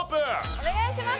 お願いします！